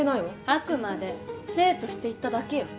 あくまで例として言っただけよ。